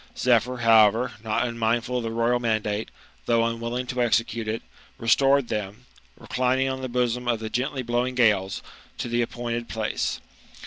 Zephyr, however, not unmindful of the royal mandate, though unwilling to execute it, restored them, reclining on the bosom of the gently blowing gales, to the appointed place.